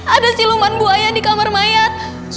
ada siluman buaya di kamar mayat